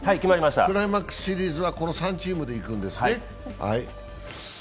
クライマックスシリーズはこの３チームでいくんですね。